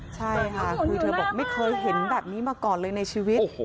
ใช่ค่ะคือเธอบอกไม่เคยเห็นแบบนี้มาก่อนเลยในชีวิต